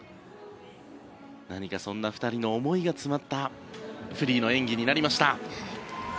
そんな２人の思いが詰まったフリーの演技になりました。